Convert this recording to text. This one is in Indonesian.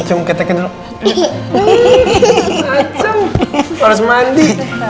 yuk kita mandi